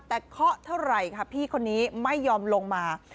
แต่เคาะเท่าไหร่ค่ะพี่คนนี้ไม่ยอมลงมา